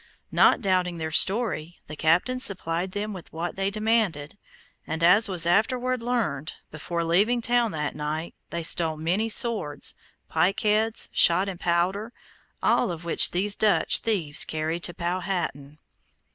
Not doubting their story, the captain supplied them with what they demanded, and, as was afterward learned, before leaving town that night they stole many swords, pike heads, shot and powder, all of which these Dutch thieves carried to Powhatan.